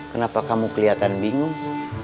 kenapa kamu kelihatan bingung